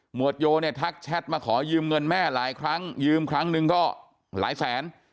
วดโยเนี่ยทักแชทมาขอยืมเงินแม่หลายครั้งยืมครั้งหนึ่งก็หลายแสน